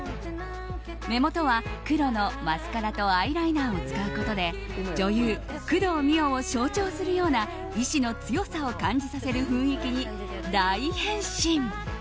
目元は黒のマスカラとアイライナーを使うことで女優・工藤美桜を象徴するような意思の強さを感じさせる雰囲気に大変身。